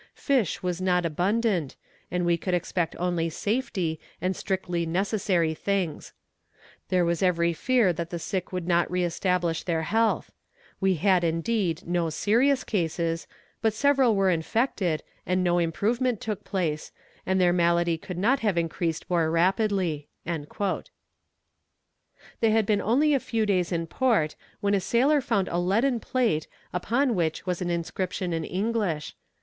Fish was not abundant, and we could expect only safety and strictly necessary things. There was every fear that the sick would not re establish their health. We had indeed no serious cases, but several were infected, and no improvement took place, and their malady could not have increased more rapidly." They had been only a few days in port, when a sailor found a leaden plate upon which was an inscription in English.